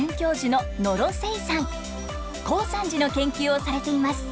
高山寺の研究をされています。